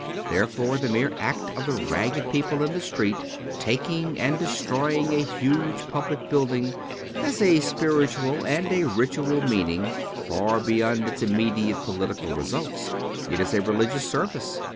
Therefore the mere act of the ragged people in the street taking and destroying a huge public building has a spiritual, and a ritual, meaning far beyond its immediate political results. It is a religious service.